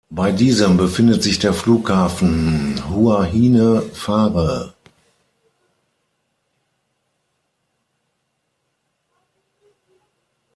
Bei diesem befindet sich der Flughafen Huahine-Fare.